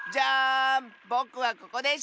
ぼくはここでした！